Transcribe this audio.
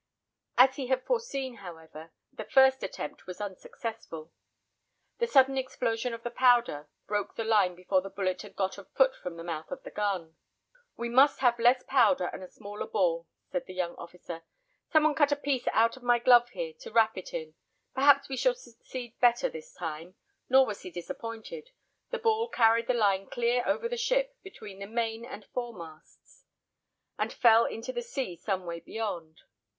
As he had foreseen, however, the first attempt was unsuccessful. The sudden explosion of the powder broke the line before the bullet had got a foot from the mouth of the gun. "We must have less powder and a smaller ball;" said the young officer. "Some one cut a piece out of my glove here to wrap it in. Perhaps we shall succeed better this time." Nor was he disappointed; the ball carried the line clear over the ship, between the main and fore masts, and fell into the sea some way beyond.